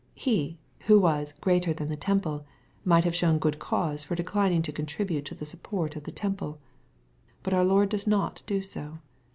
He, who was '^ greater than the temple," might have shown good cause for dechning to contribute to the support of the temple But our Lord does not do so.